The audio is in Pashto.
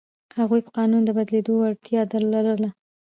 هغوی په قانون د بدلېدو وړتیا لرله.